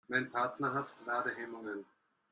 Mein Partner hat Ladehemmungen.